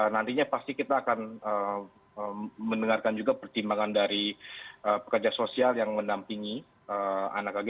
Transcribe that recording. nantinya pasti kita akan mendengarkan juga pertimbangan dari pekerja sosial yang mendampingi anak ag